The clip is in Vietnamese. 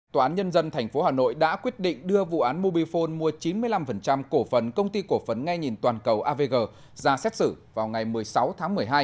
tòa án nhân dân tp hà nội đã quyết định đưa vụ án mobifone mua chín mươi năm cổ phần công ty cổ phấn ngay nhìn toàn cầu avg ra xét xử vào ngày một mươi sáu tháng một mươi hai